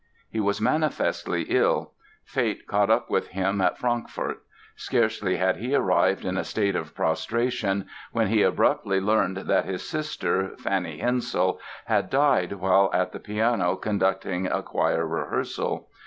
He was manifestly ill. Fate caught up with him at Frankfort. Scarcely had he arrived in a state of prostration when he abruptly learned that his sister, Fanny Hensel, had died while at the piano conducting a choir rehearsal.